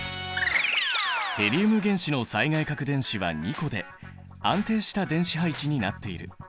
ヘリウム原子の最外殻電子は２個で安定した電子配置になっている。